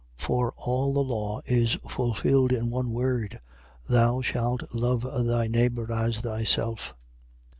5:14. For all the law is fulfilled in one word: Thou shalt love thy neighbour as thyself.